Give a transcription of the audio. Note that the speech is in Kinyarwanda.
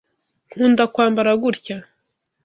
Nkunda kwambara gutya.